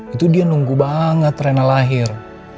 itu dia nunggu banget rena lahir